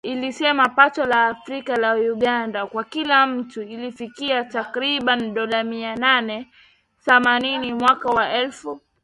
Ilisema pato la taifa la Uganda kwa kila mtu lilifikia takriban dola mia nane themanini mwaka wa elfu mbili ishirini na moja na limeongezeka kidogo tu katika mwaka huo